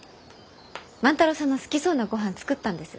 万太郎さんの好きそうなごはん作ったんです。